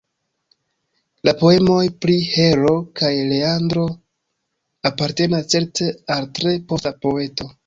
La poemo pri Hero kaj Leandro apartenas certe al tre posta poeto.